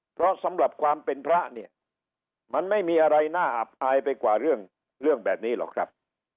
เพราะสำหรับความเป็นพระเนี่ยมันไม่มีอะไรน่าอับอายไปกว่าเรื่องแบบนี้หรอกครับ